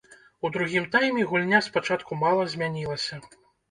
У другім тайме гульня спачатку мала змянілася.